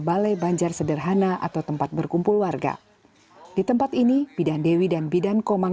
balai banjar sederhana atau tempat berkumpul warga di tempat ini bidan dewi dan bidan komang